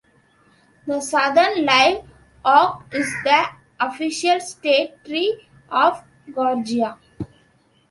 The southern live oak is the official state tree of Georgia.